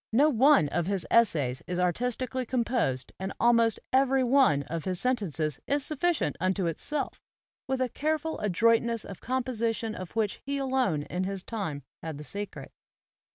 No one of his essays is artistically composed and almost every one of his sentences is sufficient unto it self, with a careful adroitness of composition of which he alone in his time had the secret.